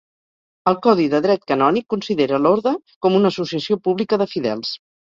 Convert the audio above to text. El codi de Dret Canònic considera l'orde com una associació pública de fidels.